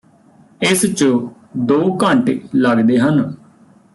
ਇਸ ਚ ਤੋਂ ਘੰਟੇ ਲੱਗਦੇ ਹਨ